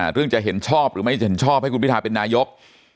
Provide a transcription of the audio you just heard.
เรื่องจะเห็นชอบหรือไม่เห็นชอบให้คุณพิทาเป็นนายก